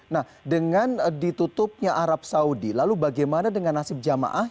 nah dengan ditutupnya arab saudi lalu bagaimana dengan nasib jamaah